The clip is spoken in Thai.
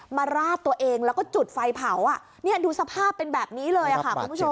ราดตัวเองแล้วก็จุดไฟเผาอ่ะนี่ดูสภาพเป็นแบบนี้เลยค่ะคุณผู้ชม